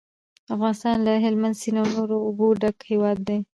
افغانستان له هلمند سیند او نورو اوبو ډک هیواد دی.